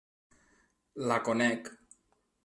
La conec.